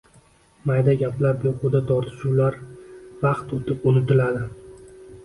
Mayda gaplar, behuda tortishuvlar vaqt o‘tib unutiladi.